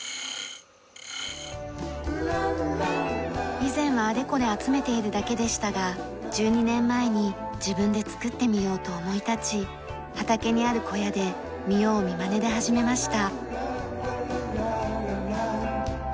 以前はあれこれ集めているだけでしたが１２年前に自分で作ってみようと思い立ち畑にある小屋で見よう見まねで始めました。